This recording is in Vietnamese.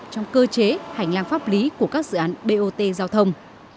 trong cơ chế hành lang pháp lý của các dự án bot giao thông